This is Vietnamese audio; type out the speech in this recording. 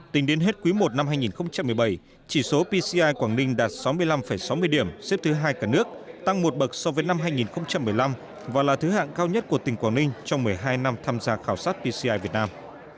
tính đến hết quý i năm hai nghìn một mươi bảy chỉ số pci quảng ninh đạt sáu mươi năm sáu mươi điểm xếp thứ hai cả nước tăng một bậc so với năm hai nghìn một mươi năm và là thứ hạng cao nhất của tỉnh quảng ninh trong một mươi hai năm tham gia khảo sát pci việt nam